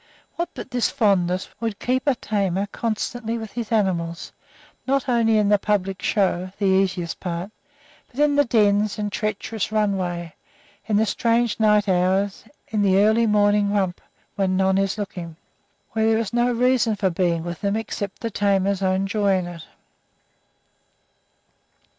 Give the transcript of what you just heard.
What but this fondness would keep a tamer constantly with his animals, not only in the public show (the easiest part), but in the dens and treacherous runway, in the strange night hours, in the early morning romp, when no one is looking, when there is no reason for being with them except the tamer's own joy in it?